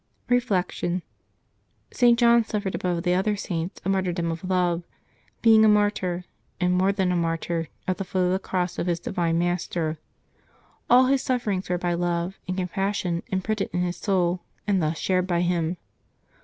Reflection. — St. John suffered above the other Saints a martyrdom of love, being a martyr, and more than a martyr, at the foot of the cross of his divine Master. All his sufferings were by love and compassion imprinted in his soul, and thus shared by him.